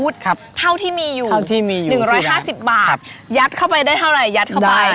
เท่าที่มีอยู่๑๕๐บาทยัดเข้าไปได้เท่าไหยัดเข้าไป